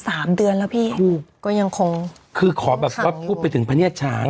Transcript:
สามเดือนแล้วพี่ถูกก็ยังคงคือขอแบบว่าพูดไปถึงพระเนียดช้าง